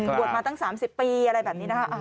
บวชมาตั้ง๓๐ปีอะไรแบบนี้นะคะ